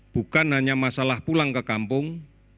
bukan hanya masalah pulang ke kampung